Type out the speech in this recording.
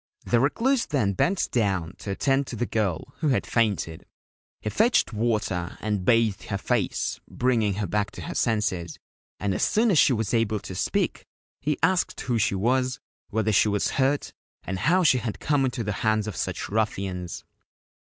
The Recluse then bent down to attend to the girl, who had fainted. He fetched water and bathed her face, bringing her back to her senses, and as soon as she was able to speak he asked who she was, whether she was hurt, and how she had come into the hands of such ruffians.